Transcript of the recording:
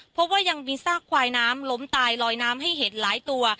เพราะว่ายังมีซากควายน้ำล้มตายลอยน้ำให้เห็นหลายตัว